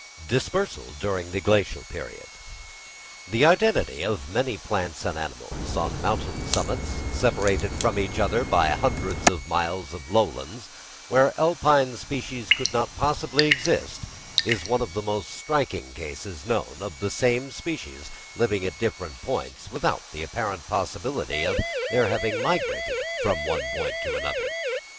Dispersal during the Glacial Period. The identity of many plants and animals, on mountain summits, separated from each other by hundreds of miles of lowlands, where Alpine species could not possibly exist, is one of the most striking cases known of the same species living at distant points, without the apparent possibility of their having migrated from one point to the other.